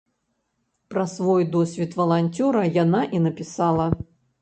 Пра свой досвед валанцёра яна і напісала.